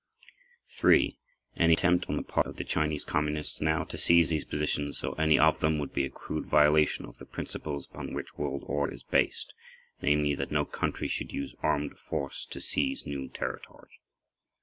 [pg 2] 3. Any attempt on the part of the Chinese Communists now to seize these positions or any of them would be a crude violation of the principles upon which world order is based, namely, that no country should use armed force to seize new territory. 4.